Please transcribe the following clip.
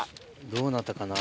どうなったかな？